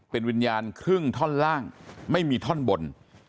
เป็นวิญญาณครึ่งท่อนล่างไม่มีท่อนบน